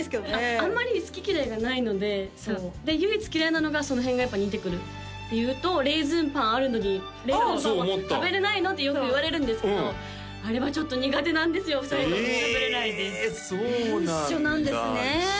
あんまり好き嫌いがないので唯一嫌いなのがその辺がやっぱ似てくるって言うとレーズンパンあるのにレーズンパンは食べれないの？ってよく言われるんですけどあれはちょっと苦手なんですよ２人とも食べれないですそうなんだ一緒なんですね